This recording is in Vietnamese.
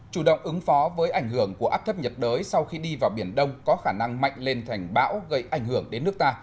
chủ động ứng phó với ảnh hưởng của áp thấp nhiệt đới sau khi đi vào biển đông có khả năng mạnh lên thành bão gây ảnh hưởng đến nước ta